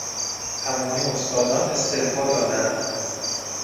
تمامی استادان استعفا دادند.